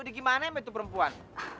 udah gimana emang itu perempuan